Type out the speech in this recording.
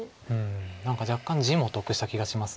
何か若干地も得した気がします。